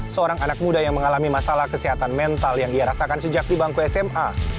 seorang anak muda yang mengalami masalah kesehatan mental yang ia rasakan sejak di bangku sma